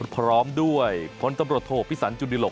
พร้อมด้วยพลตำรวจโทพิสันจุดิหลก